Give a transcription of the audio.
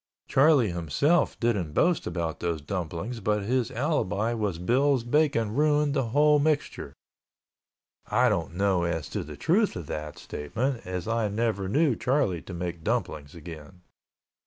Charlie himself didn't boast about those dumplings but his alibi was Bill's bacon ruined the whole mixture. I don't know as to the truth of that statement as I never knew Charlie to make dumplings again.